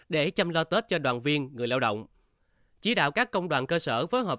để chăm lo tết cho đoàn viên người lao động chỉ đạo các công đoàn cơ sở phối hợp